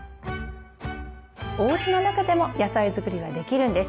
おうちの中でも野菜づくりはできるんです。